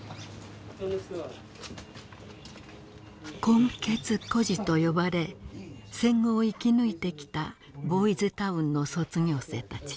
混血孤児とよばれ戦後を生き抜いてきたボーイズ・タウンの卒業生たち。